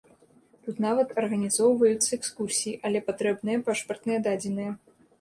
Тут нават арганізоўваюцца экскурсіі, але патрэбныя пашпартныя дадзеныя.